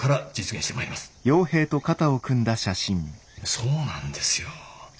そうなんですよ。